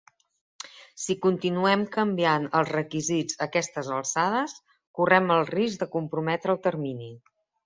Si continuem canviant els requisits a aquestes alçades, correm el risc de comprometre el termini.